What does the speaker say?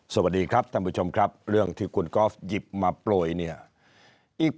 สวัสดีครับท่านผู้ชมครับเรื่องที่คุณกอล์ฟหยิบมาโปรยเนี่ยอีก